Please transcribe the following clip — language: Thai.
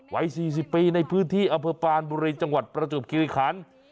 ไว้๔๐ปีในพื้นที่อเผอร์ปานบุรีจังหวัดประจุบกิริขันศ์